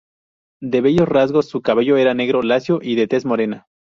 De bellos rasgos, su cabello era negro lacio y de tez morena.